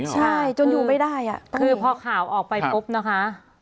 ใช่จนอยู่ไม่ได้คือพอข่าวออกไปปุ๊บนะคะ